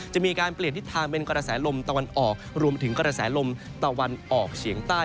จะมีการเปลี่ยนทิศทางเป็นกระแสลมตะวันออกรวมถึงกระแสลมตะวันออกเฉียงใต้